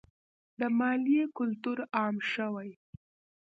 د مالیې کلتور عام شوی؟